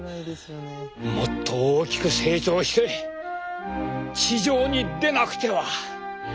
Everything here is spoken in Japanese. もっと大きく成長して地上に出なくては。